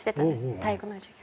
体育の授業で。